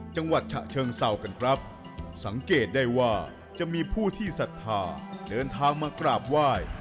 จังหวัดฉะเชิงเศร้ากันครับสังเกตได้ว่าจะมีผู้ที่ศรัทธาเดินทางมากราบไหว้